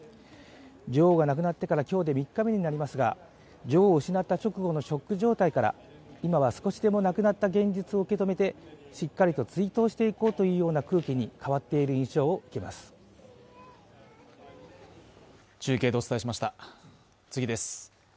女王が亡くなってから今日で３日目になりますが、女王を失った直後のショック状態から今は少しでも亡くなった現実を受け止めてしっかりと追悼していこうというような空気に変わっている印象を受けます。